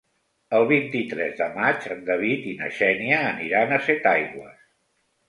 El vint-i-tres de maig en David i na Xènia aniran a Setaigües.